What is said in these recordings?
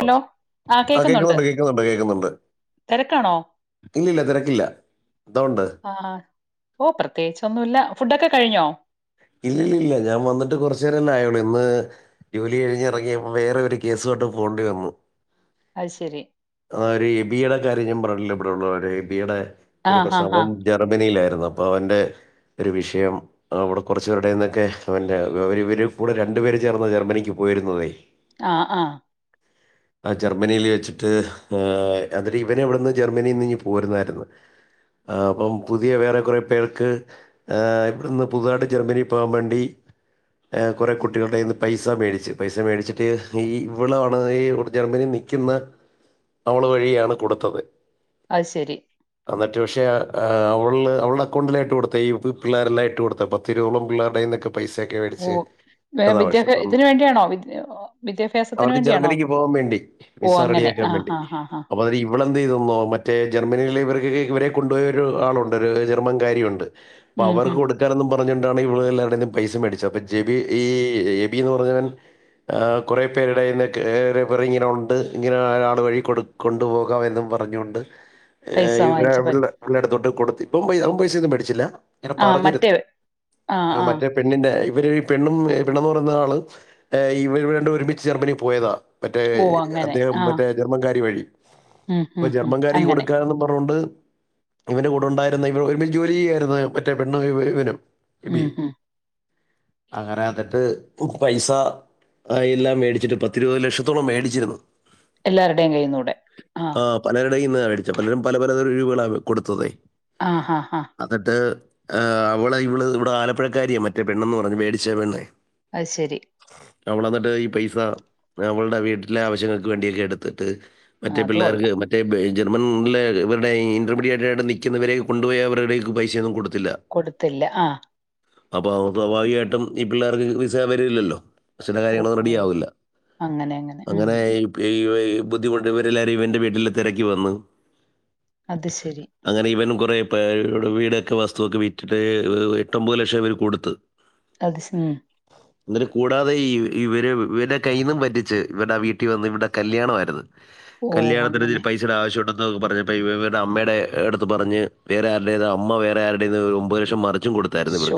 Hello ആ കേക്കുന്നുണ്ട് കേൾക്കുന്നുണ്ട് കേൾക്കുന്നുണ്ട് കേൾക്കുന്നുണ്ട് തിരക്കാണോ ഇല്ലില്ല തിരക്കില്ല അതുകൊണ്ട് ആഹ് ഓ പ്രത്യേകിച്ച് ഒന്നൂല്ല ഫുഡൊക്കെ കഴിഞ്ഞോ ഇല്ലിലില്ല ഞാൻ വന്നിട്ട് കുറച്ചു നേരല്ലേ ആയുള്ളൂ ഇന്ന് ജോലി കഴിഞ്ഞ് ഇറങ്ങിയപ്പോ വേറെ ഒരു കേസ് കെട്ട് പോകേണ്ടി വന്നു അത് ശരി ആഹ് ഒരു എബിയുടെ കാര്യം ഞാൻ [unintelligible] ടോള്ളോരേബിടെ ആ ഒരു ആ പ്രശ്നം ആ അപ്പം ജർമ്മനിലാരുന്നു അപ്പോ അവൻ്റെ ഒരു വിഷയം അതവിടെ കുറച്ചേരുടെന്നൊക്കെ അവന്റെ വഇവര് കൂടെ രണ്ടു പേര് ചേർന്നാ ജർമ്മനിക്ക് പോയിരുന്നതെ ആഹ് ആഹ് ആഹ് ജർമ്മനില് വെച്ചിട്ട് അഹ് അന്നിട്ട് ഇവരവിടുന്ന് ജർമ്മനിന്ന് ഇങ്ങ് പോരുന്നാര്ന്നു ആഹ് അപ്പം പുതിയ വേറെ കൊറെ പേർക്ക് അഹ് ഇവിടുന്ന് പുതുതായിട്ട് ജർമ്മനി പോവാൻ വേണ്ടി കുറേ കുട്ടികൾടെന്ന് പൈസ മേടിച്ച് പൈസ മേടിച്ചിട്ട് ഈഹ് ഇവളാണ് [unintelligible] ജർമ്മനി നിൽക്കുന്ന അവള് വഴിയാണ് കൊടുത്തത് അത്ശെരി അന്നിട്ട് പക്ഷേ അ ആഹ് അവള് അവൾടക്കൗണ്ടിലായിട്ട് കൊടുത്ത ഈ പിള്ളേരെല്ലാം ഇട്ട് കൊടുത്തപ്പം തിരുളം പിള്ളാർടെന്നെക്കെ പൈസയെക്കെ ഓ മേടിച്ച് വേ കട്ടത വിദ്യാഭ്യാ പക്ഷിപ്പം ഇതിന് വേണ്ടിയാണോ വിദ്യ വിദ്യാഭ്യാസത്തിന് അവർക്ക് വേണ്ടിയാണോ ജർമ്മനിക്ക് പോവാൻ വേണ്ടി ഓ വിസ അങ്ങനെ റെഡിയാക്കാൻ ആ വേണ്ടി ആ ആ ആ അപ്പ അത് ഇവളെന്തെയ്‌തെന്നോ മറ്റേ ജർമ്മനില് ഇവര്ക്ക് ഇവരെ കൊണ്ടുപോയൊരു ആളുണ്ട് ഒരു ജർമ്മൻകാരി ഉണ്ട് അപ്പൊ ഉം ഉം അവർക്ക് കൊടുക്കാനൊന്നും പ പറഞ്ഞുകൊണ്ടാണ് ഇവിടെ എല്ലാവരുടേന്നും പൈസ മേടിച്ചത് അപ്പോ ജെബി ഈ എബീന്ന് പറഞ്ഞവൻ ആഹ് കുറേ പേരുടെ കയ്യിന്ന്ക്കെ [unintelligible] കുറെ പേർ ഇങ്ങനെ ഉണ്ട് ഇങ്ങനെ ഒരാൾ വഴി കൊണ്ട് പോകാകാമെന്നും പറഞ്ഞുകൊണ്ട് പൈസ വാങ്ങിച്ച് പറ്റ് [unintelligible] അടുത്തോട്ട് കൊടുത്ത് ഇപ്പം പൈ അവൻ പൈസ ഒന്നും മേടിച്ചില്ല ഇങ്ങനെ ആഹ് പറഞ്ഞു മറ്റവൻ ആ മറ്റേ പെണ്ണിന്റെ ഇ ഇവര് ഈ പെണ്ണും പെണ്ണെന്നു പറയുന്ന ആള് ഇവ ഇവർ രണ്ട് പേരും ഒരുമിച്ച് ജർമ്മനി പോയതാ മറ്റേ ഓ അങ്ങനെ അദ്ദേഹം ആ മറ്റേ ജർമ്മൻകാരി വഴി ഉം അപ്പൊ ഉം ഉം ജർമ്മൻകാരിക്ക് അങ്ങനെ കൊടുക്കാനെന്നും പറഞ്ഞോണ്ട് ഇവന്റെ കൂടെ ഉണ്ടായിരുന്ന ഇവർ ഒരുമിച്ച് ജോലി ചെയ്യായിരുന്നു മറ്റേ പെണ്ണ ഇവനും ഉം ഹും അങ്ങന എന്നിട്ട് പൈസ എല്ലാം മേടിച്ചിട്ട് പത്തിരുപത് ലക്ഷത്തോളം മേടിച്ചിരുന്നു എല്ലാരുടെയും കയ്യ്ന്ന് കൂടെ ആഹ് [unintelligible] മേടിച്ചേ പലരും പല പല രൂപകളാണ് കൊടുത്തതേ ആ ഹാ ഹാ അന്നിട്ട് ആ അവളെ ഇവള് ഇവിടെ ആലപ്പുഴക്കാരിയാ മറ്റേ പെണ്ണെന്ന് പറഞ്ഞ് മേടിച്ച പെണ്ണേ അത് ശരി അവളെന്നിട്ട് ഈ പൈസ അവളുടെ വീട്ടിലെ ആവശ്യങ്ങൾക്ക് വേണ്ടിയൊക്കെ എടുത്തിട്ട് ആ മറ്റേ അത് പിള്ളേർക്ക് കൊള്ളാം മറ്റേ ബേ ജർമ്മൻ ഉള്ളേ ഇവരുടെ ഇൻറർമീഡിയറ്റായിട്ട് നിൽക്കുന്നവരെ കൊണ്ട് പോയി അവരുടെയൊക്കെ പൈസയൊന്നും കൊടുത് കൊടുത്തില്ല ആഹ്ആ അപ്പോ അവൻ സ്വാഭാവികമായിട്ടും ഈ പിള്ളേർക്ക് വിസ വരില്ലല്ലോ ശെല ഓ കാര്യങ്ങളൊന്ന് റെഡി ഓ ആവില്ല അങ്ങനെ ഉം അങ്ങനെ ഏ ഈ ഓ ബുദ്ധി മൊട്ട് ഇവരെല്ലാവരും ഇവന്റെ വീട്ടില് തെരക്കി വന്നു അത് ശരി [unintelligible] വീടൊക്കെ വസ്തു ഒക്കെ വിറ്റിട്ട് [unintelligible] എട്ടൊമ്പത് ലക്ഷം ഇവര് കൊടുത്ത് അത് സാ എന്നട്ട് കൂടാതെ ഈവ് ഇവര് ഇവൻ്റെ കയ്യിന്നും പറ്റിച്ച് ഇവര്ടെ വീട്ടിൽ വന്ന് ഇവിടെ കല്യാണം ആയിരുന്ന് ഓ കല്യാണത്തിനി ഒര് അങ്ങനെ പൈസെയുടെ ആവശ്യണ്ടെന്ന് ആഹ് പറഞ്ഞപ്പോ ഇവ ഇവരുടെ അമ്മയുടെ അടുത്ത് പറഞ്ഞ് വേറെ ആരുടേന്നോ അമ്മ വേറെ ആരുടെന്നോ ഒമ്പത് ലക്ഷം മറിച്ചും കൊടുത്തു [unintelligible] ഇവർക്ക് ശോ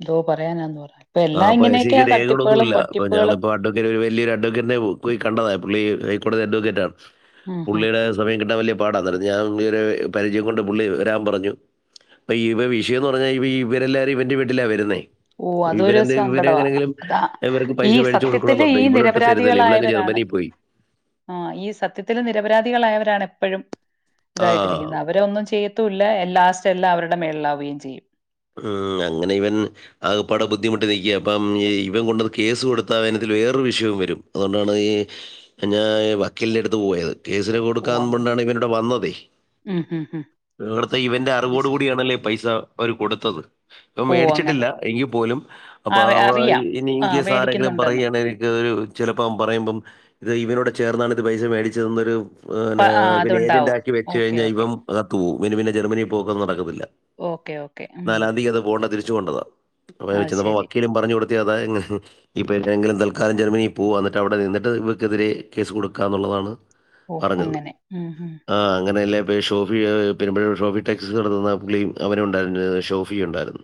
എന്തോ പറയാനാന്ന് പറ ഇപ്പൊ എല്ലാം ഇങ്ങനെയൊക്കെയാ രേഖകളൊന്നു തട്ടിപ്പുകളും ഇല്ല അപ്പ ഞങ്ങൾ വട്ടിപ്പുകളും ഇപ്പൊ അഡ്വക്കെറ്റിനെ വല്യൊരു അഡ്വക്കേറ്റിനെ പോയി കണ്ടതാ പുള്ളി ഹൈക്കോടതി അഡ്വക്കേറ്റാണ് ഉം ഉം പുള്ളിടെ സമയം കിട്ടാൻ വല്യ പാടാന്നേരം ഞാൻ പുള്ളിയുടെ പരിചയം കൊണ്ട് പുള്ളിവരാൻ പറഞ്ഞു അപ്പൊ വിഷയം എന്ന് പറഞ്ഞാൽ ഇ ഇവരെല്ലാരും ഇവൻ്റെ വീട്ടിലാ വര്ന്നെ ഓ അതൊര് സങ്കടവാ അതാ ഇവർക്ക് ഈ പൈസ മേടിച്ചു സത്യത്തില് കൊടുക്കണമെന്നുണ്ട് ഈ ഇവളൊട്ട് തരുന്നില്ല ഇവളങ്ങ് നിരപരാധികളായവരാണ് ജർമ്മനിയിൽ പോയി ആ ഈ സത്യത്തില് നിരപരാധികളായവരാണ് എപ്പഴും ആ ഇതായിട്ടിരിക്കുന്നെ അവരെ ഒന്നും ചെയ്യ് ല്ല ലാസ്റ്റ് എല്ലാം അവര്ടെ മേള്ലാവുകയും ചെയ്യും അങ്ങനെ ഇവൻ ആ പാടെ ബുദ്ധിമുട്ട് നൽക്കുക അപ്പം ഇവൻ കൊണ്ടത് കേസ് കൊടുത്താനത്തിൽ വേറൊരു വിഷയവും വരും അതുകൊണ്ടാണ് ഈ ഞാൻ വക്കീലിൻ്റെ അടുത്ത് പോയത് കേസില് ഓ കൊടുക്കാ അങ്ങ് കൊണ്ടാണ് ഇവൻ ഇവിടെ വന്നതേ ഉം ഉം ഉം ഇവിടുത്തെ ഇവന്റെ അത് ശ അറിവോട് കൂടിയണല്ലേ പൈസ അവര് കൊട് ത്തത് ഇവൻ ഓ അങ്ങനെ വേടിച്ചിട്ടില്ല എങ്കിൽ പോലും ആ അപ്പൊ അവ അറിയാം ഇനി ആ ഇൻകാഈസ് ആരെങ്കിലും വേടിക്കുന്നുണ്ടെന്ന് പറയുകയാണ എനിക്ക് ചെലപ്പ അവൻ പറയുമ്പം ഇത് ഇവനോടെ ചേർന്നാണ് ഇത് പൈസ മേടിച്ചതെന്നൊരു ആഹ് പ ആ പിന്നെ ഇവൻ ഏജന്റ അതുണ്ടാവും ആക്കി വെച്ച ഓക്കെ കഴിഞ്ഞാൽ ഓക്കെ ഇപ്പം അകത്ത് പോകും ഇവന് പിന്നെ ജർമനി പോക്ക് ഒന്നും നടക്കത്തില്ല ഓക്കേ ഓക്കേ നാലാം തിയ്യക്കകത്ത് പോകണ്ടതിരി ഇച്ച് കൊണ്ടതാ അവൻ ആ അത് ചെന്നപ്പം ശരി വക്കീലും പറഞ്ഞ് കൊടു കത്യ അത ഇപ്പൾ എഏനെങ്കിലും തൽക്കാലം ജർമ്മനിയിൽ പോകും എന്നിട്ട് അവിടെ നിന്നിട്ട് ഇവക്കെതിരെ കേസ് കൊടുക്കുക എന്നുള്ളതാണ് ഓ പറഞ്ഞത് അങ്ങനെ ഉം ഉം ആഹ്ആ അങ്ങനെയല്ലേ വേ ഷോഫി പെരുമ്പഴ ഷോഫി ടെക്സ്റ്റിൽസ് നടത്ത്ന്ന പുള്ളീം അവനും ഉണ്ടായിര് ഷോഫിയും ഒണ്ടാരുന്നു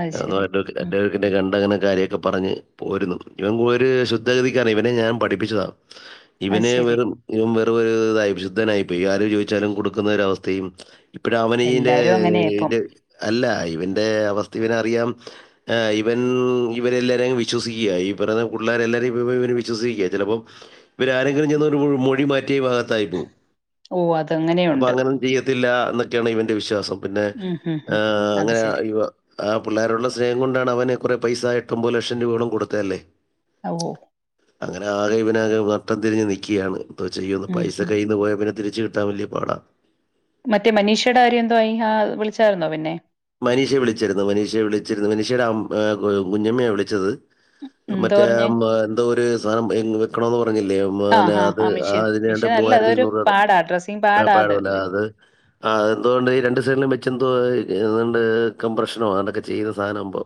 അത് ശരി ഉം അഡ്വക്കേറ്റിനെ കണ്ടങ്ങനെ കാര്യോക്കെ പറഞ്ഞ് പോരുന്നു ഇവൻ ഒരു ശുദ്ധഗതിക്കാരനാണ് ഇവനെ ഞാൻ പഠിപ്പിച്ചതാ അത് ഇവനെ ശരി വെറും ഇവൻ വെറും ഇതായിശുദ്ധനായി പോയി ആരു ചോദിച്ചാലും കൊടുക്കുന്ന ഒര അവസ്ഥയും ഇപ്പഴും അവനീൻ്റെ എല്ലാരും അങ്ങനെയാ ഇപ്പം ഇന്റെ അല്ല ഇവന്റെ അവസ്ഥ ഇവനറിയാം ഇവൻ ഇവരെല്ലാരെയും വിശ്വസിക്കുക ഈ പറഞ്ഞ പിള്ളേരെ എല്ലാരെയും ഇവ വിശ്വസിക്കുക ചിലപ്പോ ഇവരാരെങ്കിലും ചെന്നൊരു മൊഴി മാറ്റിയ ഇവൻ അകത്തായിപ്പോകും ഓ അതെങ്ങനെയുണ്ട് ന്നൊക്കെയാണ് ഇവൻ്റെ വിശ്വാസം പിന്നെ ആ ഉം അത് അങ്ങനെ ശരി ഇവ ആ പിള്ളേരോടുള്ള സ്നേഹം കൊണ്ടാണ് അവനെ കുറെ പൈസ എട്ട് ഒൻപത് ലക്ഷം രൂപയോളം കൊടുത്ത അല്ലേ ഓ അങ്ങനെ ആകെ ഇവാനാകെ നട്ടം തിരിഞ്ഞ് നിൽക്കുകയാണ് ന്തോ ചെയ്യന്ന് ഉം പൈസ ഉം കയ്യിന്ന് പോയാ പിന്നെതിരി ച്ചു കിട്ടാൻ വലിയ പാട മറ്റേ മനീഷയുടെ കാര്യം എന്തോ ആയി ആ വിളിച്ചായിരുന്നോ പിന്നെ മനീഷെ വിളിച്ചിരുന്നു മനീഷെ വിളിച്ചിരുന്നു മനീഷയുടെ ആ കുഞ്ഞമ്മയാണ് വിളിച്ചത് ഉം, എന്തോ മറ്റേ പറഞ്ഞ് എന്തോ ഒരു സാധനം വെക്കണന്ന് പറഞ്ഞില്ലേ ആ മന്നെ ആ അത് ആ മെഷീൻ അതിനണ്ട് മെഷീൻ അല്ല മൂവായിരത്തി അതൊരു അഞ്ഞൂറ് രൂപ പാടാ ഡ്രസ്സിങ് ആ പാടാ പാടല്ലേ അത് ആ എന്തണ്ട് ഈ രണ്ട് സീനും വെച്ച് എന്തോ ഇതാണ്ട് കംപ്രഷനോ അതണ്ടൊക്കെ ചെയ്യുന്ന സാധനം ഇമ്പ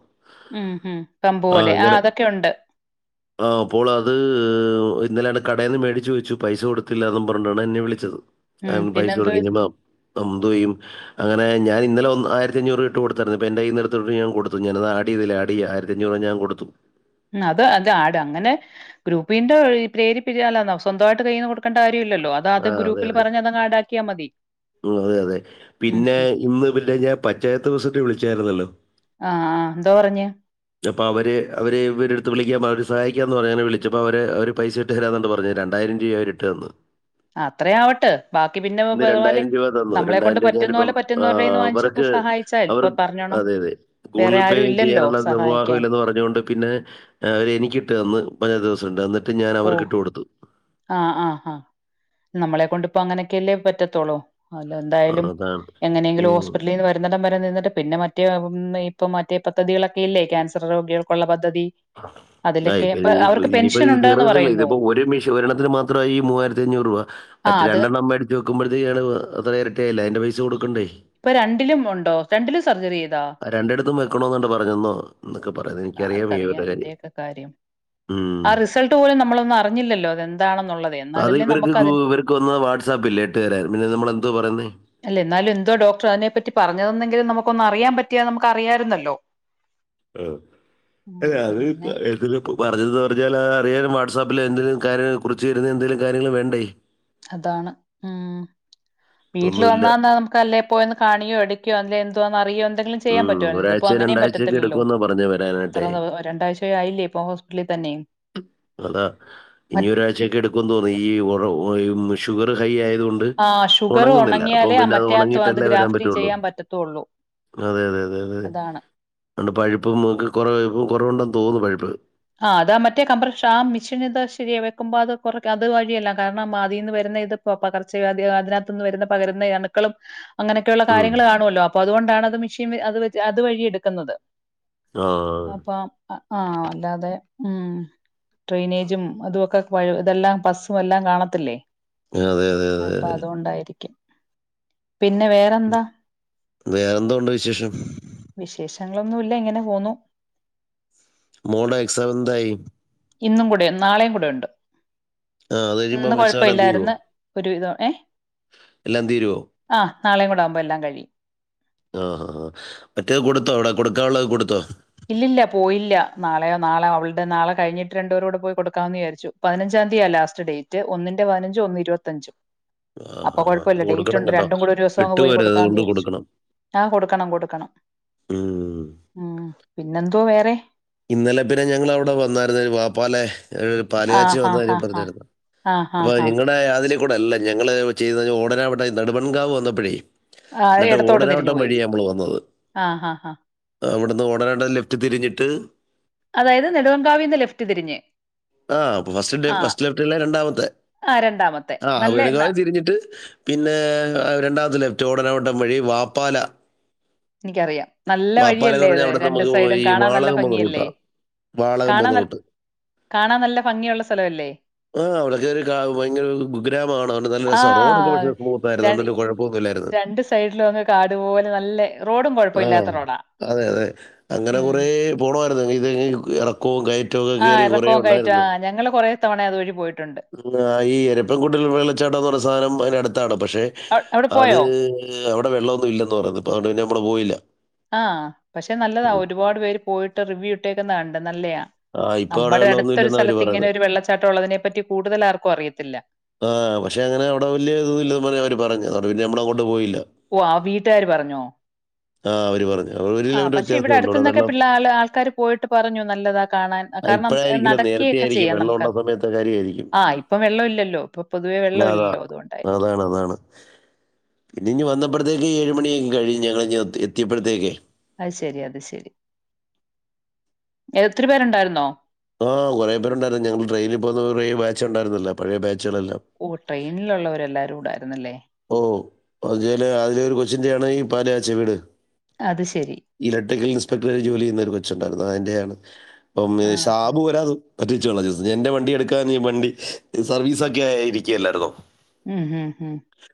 ഉം ഉം പമ്പ് ആ പോലെ അങ്ങനെ അതൊക്കെ ഉണ്ട് ആ അപ്പോൾ അത് ഇന്നലെയാണ് കഡേൽ നിന്ന് മേടിച്ച് വച്ചു പൈസ കൊടുത്തില്ല എന്ന് പറണ്ടാണ് എന്നെ വിളിച്ചത് അ ഉം പൈസ പിന്നെന്തോ ഇത്? കൊടുക്കപ്പ [unintelligible] യും അങ്ങനെ ഞാൻ ഇന്നലെ വന്ന ആയിരത്തി അഞ്ഞൂറ് ഇട്ട് കൊടുത്തരുന്നു ഇപ്പ എന്റെ കയ്യിന്ന് എടുത്തിട്ട് ഞാൻ കൊടുത്തു ഞാനത് അടിയതില്ല അട ആയിര അഞ്ഞൂറ് ഞാൻ കൊടൂ ത്തു ഉം അത് അത് ആട് അങ്ങനെ ഗ്രൂപ്പിന്റെ പ്രേരിരില്ല സ്വന്തമായിട്ട് കയ്യിൽന്ന് കൊടുക്കേണ്ട ല്ലല്ലോ അതാത് ആ അതെ ഗ്രൂപ്പിൽ അതെ പറഞ്ഞ അതങ് ആടാക്കിയാൽ മതി അതെ അതെ ഉം പിന്നെ ഉം ഇന്ന് [unintelligible] പഞ്ചായത്ത്‌ ദിവസട്ട് വിളിച്ചായിരുന്നല്ലോ അഞ്ഞ അപ്പൊ അവര് അവര് ഇവരെടുത്ത് വിളിക്കാ അവര് സഹായിക്കാ എന്ന് പറഞ്ഞെ വിളിച്ച അപ്പോ അവര് അവര് പൈസ ഇട്ട് തരാന്നണ്ട് പറഞ്ഞു രണ്ടായിം രൂപ അവര് ഇട്ട്ന്ന് അത്ര ആവട്ടെ ബാക്കി പിന്നെപല് രൂപ തന്നു. നമ്മളെ കൊണ്ട് രൂപ പറ്റുന്ന ഞാനിപ്പം പോലെ ആഹ് പറ്റുന്നവരുടെന്ന് വാങ്ങിച്ച അവർക്ക് സഹായിച്ചാ അവർ ഇപ്പൊ പറഞ്ഞോണം വേറെ ആരും ഇല്ലല്ലോ നിർവാഹ സഹായിക്കാൻ ഇല്ലെന്ന് പറഞ്ഞുകൊണ്ട് പിന്നെ അവര് എനിക്കിട്ട് അന്ന് [unintelligible] സണ്ട റ്റു ഉം ഞാൻ അവർക്ക് ഇട്ടു കൊടുത്തു ആഹ് ആ ആ നമ്മളെ കൊണ്ടിപ്പോ അങ്ങനെയൊക്കെയല്ലേ പറ്റത്തോളോ അല്ല ആഹ് എന്തായാലും അതാണ്. എങ്ങനെയെങ്കിലും മ്മ്. ഹോസ്പിറ്റലിൽ നിന്ന് വരുന്നിടം വരെ നിന്നിട്ട് പിന്നെ മറ്റേ ഇപ്പ മറ്റ പദ്ധതികളോക്കെ ഇല്ല കാൻസർ രോഗികൾക്കുള്ള പദ്ധതി ആ അതിലൊക്കെ ഇപ്പൊ അപ്പൊ ഇനി അവർക്ക് പെൻഷൻ ഉണ്ടന്ന് പറയുന്നു രണത്തിന് മാത്രമായി മൂവായിരത്തി അഞ്ഞൂറ് രൂപ ആ മറ്റ അത് രണ്ടെണ്ണം അ അടു വെക്കുമ്പോഴേക്ക അത്ര ഇരായില്ല അന്റെ പൈസ കൊടുക്കണ്ടേ ഇപ്പൊ രണ്ടിലും ഉണ്ടോ രണ്ടിലും സർജറിയ രണ്ടിടത്തും വെക്കണോന്നണ്ട പറഞ്ഞന്നോ എന്നൊക്കെ പറയാുന്ന ആർക്കറിയാം എനിക്കറിയാംവരുടെ കാര്യം അതിന്റെയൊക്കെ കാര്യം ഉ ആ റിസൾട്ട് പോലും നമ്മളൊന്നും അറിഞ്ഞില്ലല്ലോ അതെന്താണെന്നുള്ളത് അത് എന്നാലല്ലേ ഇവർക്ക് നമുക്ക് അതി ഇവർക്ക് വന്ന് വാട്സാപ്പ ഇല്ല ഇട്ട് തരരുന്നു പിന്നെ നമ്മൾെന്തോ പറയുന്നേ അല്ല എന്നാലും എന്തോ ഡോക്ടർ അതിനെ പറ്റി പറഞ്ഞതന്നെങ്കിലും നമുക്ക ഒന്ന് അറിയാൻ പറ്റിയാ നമുക്ക് അറിയാരുന്നല്ലോ ആ അല്ലെ പിന്നെ അത്പ്പ ഇതിൽ പറഞ്ഞത് പറഞ്ഞാൽ അറിയാൻ വാട്സാപ്പിൽ എന്തങ്കിലും കാര്യങ്ങൾ കുറിച്ച് തരുന്ന എന്തെങ്കിലും കാര്യങ്ങൾ വേണ്ടേ അതാണ് ഉം വീട്ടിൽ ഒന്നുമില്ല വന്നാ നമുക്ക് അല്ലേ പോയന്ന് കാണിയോ എടുക്കയോ അല്ല എന്ത് ന്നറിയ ഉം ഒരാഴ്ച രണ്ടാഴ്ചയൊക്കെ എടുക്കുമെന്നാ പറഞ്ഞ ഇത്ര വരാനട്ടെ രണ്ടാഴ്ച ആയില്ലേ ഇപ്പൊ ഹോസ്പിറ്റലിൽ തന്നെ അതാ ഇനി ഒരാഴ്ചൊക്കെ എടുക്കും ഈ ഓ എ ഷുഗർ ഹൈ ആയ ആ ഷുഗർ ഉണങ്ങിയാലേ അത് മറ്റേനാത്ത് അത് ഉണങ്ങിയിട്ടല്ലേ വരാൻ ഗ്രാഫ്റ്റിൻ പറ്റുള്ളൂ ചെയ്യാൻ പറ്റത്തുള്ളൂ അതെ അതെ അതെ അതാണ് അന്ന് പഴുപ്പും ഒക്കേ കുറെ ഇപ്പ കുറവുണ്ടെന്ന് തോന്നുന്നു പഴുപ്പ് അ ആഹ് അതാ മറ്റേ കമ്പർഷ ആ മിഷീൻ ഇത് ശരിയ വെക്കുമ്പോ അത് കൊറ അത് വഴിയല്ല കാരണം അതീന്ന് വരുന്ന ഇതിപ്പോ പകർച്ച അതിനകത്തുന്ന് വരുന്ന പകരുന്ന അണുക്കളും അങ്ങനെയൊക്കെയുള്ള ഉം കാര്യങ്ങൾ കാണുമല്ലോ അപ്പ അതുകൊണ്ടാണ് അത് മിഷൻ അ അതുവരി എടുക്കുന്നത് ആ അപ്പൊ ആ ആഹ് അതെ വ് ട്രെയിനേജും അതൊക്കെ ഇതെല്ലാം ബസ്സും എല്ലാം കാണത്തില്ലേ അതെ അതെ അതെ അപ്പൊ അതെ അതുകൊണ്ടായിരിക്കും പിന്നെ വേറെന്താ വേറെന്തോണ്ട് വിശേഷം വിശേഷങ്ങളൊന്നുമില്ല ഇങ്ങനെപോന്നു മോൾഡാ എക്സാം എന്തായി ഇന്നും കൂടെ നാളെയും കൂടെ ഉണ്ട് ആ അത് ഇന്ന് കഴിയുമ്പം എക്സാം എല്ലാം തീരുവോ കൊഴപ്പമല്ലായിരുന്ന് ഒരു വിധം ഏ എല്ലാം തീരുവോ ആഹ് നാളെയും കൂടെ ആകുമ്പോ എല്ലാം കഴിയും ആഹ ആ ആ മറ്റേത് കൊടുത്തോ അവിടെ കൊടുക്കാനുള്ളത് കൊടുത്തോ ഇല്ലില്ലാ പോയില്ല നാളെയോ നാളെ അവളുടെ നാളെ കഴിഞ്ഞിട്ട് രണ്ടുപേരും കൂടെ പോയി കൊടുക്കാമന്ന് വിചാരിച്ചു പതിനഞ്ചാം തീയതിയ ലാസ്റ്റ് ഡേറ്റ് ഒന്നിന്റെ പതിനഞ്ചും ഒന്ന് ഇരുപത്തഞ്ചും ആ ആ, അപ്പൊ ആ. അത് കൊഴപ്പമില്ല ഡേറ്റ് കൊടുക്കണം ഉണ്ട് കേട്ടോ രണ്ടും കൂടി ഒരു ദിവസം അങ്ങ് പോയി വിട്ടുപോരുത് കൊടുക്കാന്ന് അതുകൊണ്ട് വിചാരിച്ചു കൊടുക്കണം ആ കൊടുക്കണം കൊടുക്കണം ഉം. ഉ പിന്നെന്തുവാ വേറെ ഇന്നലെ പിന്നെ ഞങ്ങള് അവിടെ വന്നായിരുന്നു വാപ്പാലെ ഒരു ആ പാലുകാച്ചി ഹാ വന്ന ഹാ കാര്യം ഹാ. പറഞ്ഞിരുന്നു ആ ഹാ അപ്പൊ ഹാ. നിങ്ങളുടെ അതിലു ലൂടെ അല്ല ഞങ്ങള് ചെയ്ത ഓടനവട്ട നെടുമൺകാവ് വന്നപ്പോഴേ ആ എന്നിട്ട് ഇടത്തോട്ട് തിരിഞ്ഞു ഓടനാവട്ടം പോയി വഴി നമ്മൾ ആഹ ഹ ഹ അന്ന് ഓടനവട്ടം ലെഫ്റ്റ് തിരിഞ്ഞിട്ട് അതായത് നെടുവങ്കാവിന്ന് ലെഫ്റ്റ് തിരിഞ്ഞ്. ആ ഫസ്റ്റ് ഡേ ആ ഫസ്റ്റ് ലെഫ്റ്റ് അല്ലേ രണ്ടാമത്തെ ആ രണ്ടാമത്തെ. ആ നല്ല വടുങ്കാ ന വും തിരിഞ്ഞിട്ട് പിന്നെ രണ്ടാമത്തെ ലെഫ്റ്റ് ഓടനാവട്ടം വഴി വാപ്പാല എനിക്കറിയാം നല്ല വാപ്പാല എന്ന് വഴിയല്ലേ അത് പറഞ്ഞാൽ അവിടെ രണ്ടു നമുക്ക് സൈഡും ഈ കാണാൻ നല്ല വാളകം വന്ന ഭംഗിയല്ലേ റൂട്ടാ വാളകം കാണാൻ പോകുന്ന റൂട്ട് കാണാൻ നല്ല ഭംഗിയള്ള സ്ഥലം അല്ലേ ആ അവിടെയൊക്കെ ഒരു കാ- ഭയങ്കര ഒരു കുഗ്രാമമാണ് അതുകൊണ്ട് നല്ല രസമാണ് റോഡൊക്കെ ആഹ പക്ഷേ സ്മൂത്ത് ആയിരുന്നു അതുകൊണ്ട് ഒരു കുഴപ്പമൊന്നും ഇല്ലായിരുന്നു രണ്ട് സൈഡിലും അങ്ങ് കാടുപോലെ നല്ല റോഡ് ആ കുഴപ്പമില്ലാത്ത റോഡാ അതെ അതെ അങ്ങനെ കുറെ പോണമായിരുന്നു ഇതെ ഇറക്ക കോ ഗൈ ആ കുറ ഇറക്കവും കയറ്റവും ആ ഉണ്ടായി ഞങ്ങള് കുറേ തവണ അതുവഴി പോയിട്ടുണ്ട്. ഈ എരപ്പൻകുട്ട വെള്ളച്ചാടന്ന് സാധനം അ അടുത്താണ് പക്ഷെ അവി അവിടെ അത് പോയോ? അവിടെ വെള്ളമൊന്നും ഇല്ലന്ന് പറ അവിടെ പോയില്ല ആഹ പക്ഷെ നല്ലതാ ഉം. ഒരുപാട് പേര് പോയിട്ട് റിവ്യൂ ഇട്ടേക്കന്ന കണ്ട നല്ലതാ ആഹ് ഇപ്പൊ അവിടെ വെള്ള ഒന്നും ഇല്ലെന്ന അവര് പറയത് വെള്ളച്ചാട്ടം ഉള്ളതിനെപ്പറ്റി കൂടുതൽ ആർക്കും അറിയത്തില്ല. ആഹ പക്ഷെ അങ്ങനെ അവിടെ വലിയ ഇതന്ന ഇല്ലന്ന് പറ അവര് പറഞ്ഞു പിന്നെ നമ്മളങ്ങട്ട് പോയില്ല ഓ ആ വീട്ടുകാാര് പറഞ്ഞോ ആ അവര് പറഞ്ഞു ഒരു ആഹ് കിലോമീറ്റർ പക്ഷെ ഇവിടെ വ്യത്യാസമേ ഉള്ളൂ അവിടെ അടുത്തന്നൊക്കെ വെള്ളം പിള്ളെ ആ ആൾക്കാാര് പോയിട്ട് പറഞ്ഞു നല്ലതാക്ക ഇപ്പഴായിരിക്കില്ല നേരത്ത ആയിരിക്കും വെള്ളം ഉണ്ട നമുക്കത്. സമയത്തെ കാര്യ ആയിരിക്കും ആ ഇപ്പം വെള്ളമില്ലല്ലോ. ഇപ്പൊ പൊതുവേ അതാ വെള്ളമില്ലല്ലോ അതുകൊണ്ടായിരിക്കും. അതാണ് അതാണ് പിന്ന ഇഞ് വന്നപ്പോഴത്തേക്ക് ഏഴുമണിയക്ക കഴഞ് ഞങ്ങ എത്തിയപ്പോഴേക്കക്ക് അത് ശെരി അത് ശരി ഒത്തിരി പേരുണ്ടായിരുന്നോ ആഹ് കുറെേരുണ്ടായിരുന്നു ഞങ്ങള്ൾ ട്രെനിൽ പോുന്നേ ബാച്ച ഉണ്ടായിരുന്നില്ല പഴയ ബാ ഓ ട്രെയിനിലുള്ളവരെല്ലാരും കൂടും ുന്നല്ലേ ഓ അല് അതില ഒരു കൊച്ചിന്റെയാണ് ഈ പല്യാച്ച വീട് അത് ശരി ഇലക്ട്രിക്കൽ ഇൻസ്പെക്ടറെ ജോലി ചെയ്യുന്ന കൊ ച്ചുണ്ടായിുന്നത് അതിൻ്റെയാണ് അപ്പം ആഹാ. ഷാബ് പോരാത് പറ്റിച്ചോള എൻന്റെ വണ്ടി എടുക്കാ ഈ വണ്ടി സർവീസ് ഒക്കെ ആ ഇരിക്കുകയല്ലായിരുന്നോ ഉം ഹം ഹം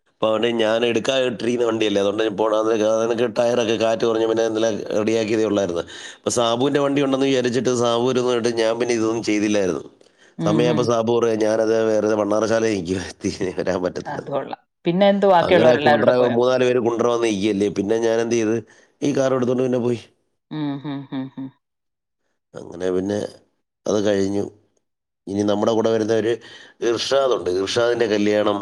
അപ്പതൊ ഞാൻ എടുക്കാ ഇട്ടിരിക്കുന്നണ്ടിയല്ലേ അതുകൊണ്ട് ടയറൊക്കെ കാറ്റ് കുറഞ്ഞ പിന്നെല്ല റെിയാക്കിയതേ ഉള്ളായിരുന്നുപ്പ സാബുവിന്റെ വണ്ടി ഉണ്ടന്ന് വിചാരിച്ചി് സാബൂ ഒന്നുംട്ട് ഞാൻന്നെ ഇതൊന്നും ചെയ്തില്ലായിരുന്നു ഉം ഹും. സമയപ സാപൂ ഞാന അത് വേറത്ണ്ണാറശാല കയിിക്കുവേ വരാൻ പറ്റത്തല്ല അത് കൊള്ളാം. പിന്നെ എന്തു ബാക്കിയുള്ളവരെ എല്ലാവരുംൂടെ പോയാോ കൊണ്ടറവാ നീക്കല്ലേ പിന്നെ ഞാനെന്ത് ചെയ്ത് ഈ കാർ എടുത്തുകൊണ്ട് പിന്നെ പോയി ആഹ ഹഹ് ഹഹ ഹ അങ്ങനെ പിന്നെ അത് കഴിഞ്ഞു ഇനി നമ്മുടെ കൂടെ വരുന്നവര് ഗർഷാദ് ഉണ്ട് ഗർഷാദിൻ്റെ കല്യാണം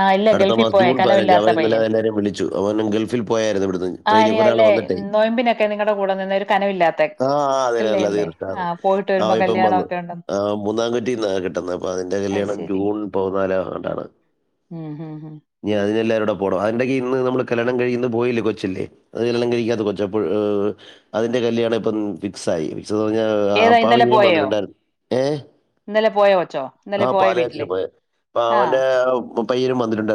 ആ ഇല്ല അടുത്ത ഗൾഫിൽ മാസം പോയ ജൂൺ പതിനഞ്ച് അവർ കനവില്ലാത്ത ഇന്നല്ല പയ്യൻ. എല്ലാവരും വിളിച്ചു അവൻും ഗൾഫിൽ പോയായിരുന്നു ഇവിടുന്ന് ആ ട്രെയിനിൽ ഇനി കുറ ആൾ അല്ലേ വന്നിട്ടേ നൊയമ്പിനൊക്കെ നിങ്ങളുടെ കൂടെ നിന്ന ഒരു കനവില്ലാത്ത ആ ആ അല്ലേ അതിനല്ല അല്ലേ? ആ തീർച്ചാണ് പോയിട്ട് അവ വരുമ്പോ ഇപ്പം വന്നു കല്യാണമൊക്കെ ഉണ്ടെന്ന്. ആ മൂന്നാംകട്ടിന്ന കിട്ടുന്നത് അപ്പ അതിന്റെ അത് കല്യാണം ശരി. ജൂൺ പതിനാാല കൊണ്ടാണ് ഉം ഹം ഹ വിടെ അതിന്ന് നമ്മല്ണം കഴ പോയില്ലേ കൊച്ചല്ലേ അണം കഴത്ത കൊ അതിന്റെ കല്യാ ഇപ്പ ഫിക്ായി ഞ്ഞ ഏതാ അപ്പ അവ ഇന്നലെ ഇങ്ങനും പോയോ? വന്നിട്ടുണ്ടായിരുന്നു ഏ ഇന്നലെ പോയോ കൊച്ചോ? ആ ഇന്നലെ പോയ പാലച്ച വീട്ടില്? പോയ അപ്പ ആ. അവന്റെ പയര മന്ത്രി ണ്ട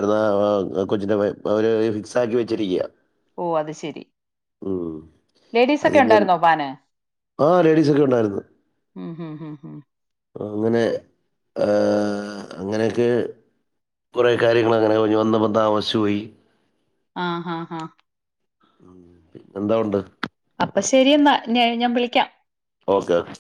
കൊച്ചിന്റെ ഫിക്സ് ആക്കി വെച്ചിരിക്ക ഓ അത് ശെരി ആ ലേഡീസ് ഒക്കെ ഉണ്ടായിുന്നോ വാന് ആ ലേഡീസ് ഒക്കെ ഉണ്ടായിരുന്നു ഉ ഹ ഉ ഹ അങ്ങനെ അങ്ങനെയൊക്കെ കുറ കാര്യങ്ങളൾ അങ്ങനെ കുഞ് വന്ന് വന്നപ്പോ താമസിച്ചു പോയി ആഹ് ഹഹ് ആഹ എന്താ ഉണ്ട് ിക്ക ഓക്കെ ഓക്കെ